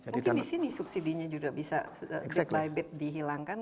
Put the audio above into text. mungkin disini subsidinya juga bisa bit by bit dihilangkan